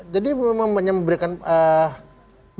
jadi memang menyampaikan bahwa